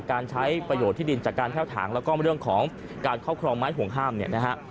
การใช้ประโยชน์ที่ดินจากการแพ่วถางแล้วก็เรื่องของการครอบครองไม้ห่วงห้ามเนี่ยนะฮะ